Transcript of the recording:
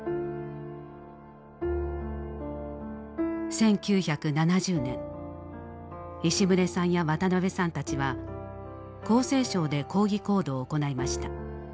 １９７０年石牟礼さんや渡辺さんたちは厚生省で抗議行動を行いました。